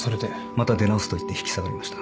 また出直すと言って引き下がりました。